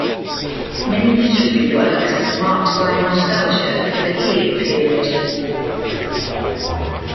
Many literary works were marked by a nostalgia for the Heian period.